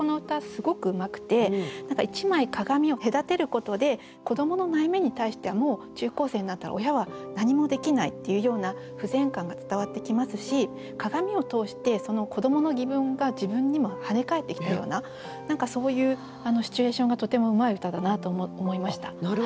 すごくうまくて何か１枚鏡を隔てることで子どもの悩みに対しても中高生になったら親は何もできないっていうような不全感が伝わってきますし鏡を通してその子どもの疑問が自分にも跳ね返ってきたような何かそういうシチュエーションがとてもうまい歌だなと思いました。